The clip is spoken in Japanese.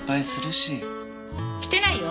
してないよ。